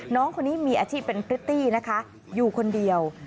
น้องคนนี้มีอาชีพเป็นพริตตี้นะคะอยู่คนเดียว